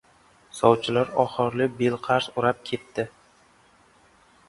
Sovchilar ohorli belqars o‘rab ketdi.